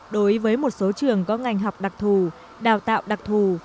đối với một số trường có ngành học đặc thù đào tạo đặc thù